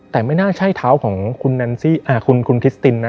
แต่ไม่น่าใช่เท้าของคุณคริสตินนะ